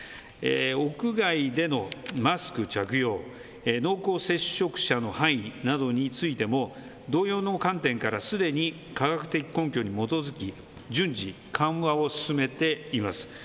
屋外でのマスク着用、濃厚接触者の範囲などについても、同様の観点から、すでに科学的根拠に基づき、順次、緩和を進めていきます。